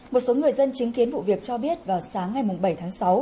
một số người dân chứng kiến vụ việc cho biết vào sáng ngày bảy tháng sáu